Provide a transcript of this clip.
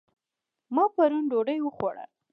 ما پرون ډوډۍ وخوړه